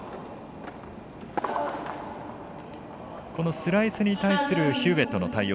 スライスに対するヒューウェットの対応